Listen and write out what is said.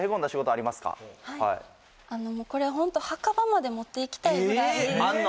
これはホント墓場まで持っていきたいぐらいあんの？